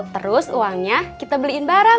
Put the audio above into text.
terus uangnya kita beliin barang